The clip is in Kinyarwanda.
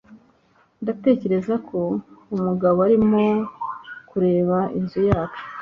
Ndatekereza ko umugabo arimo kureba inzu yacu.